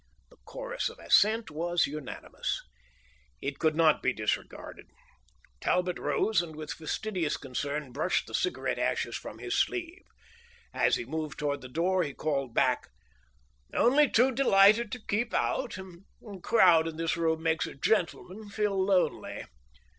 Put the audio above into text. The chorus of assent was unanimous. It could not be disregarded. Talbot rose and with fastidious concern brushed the cigarette ashes from his sleeve. As he moved toward the door he called back: "Only too delighted to keep out. The crowd in this room makes a gentleman feel lonely."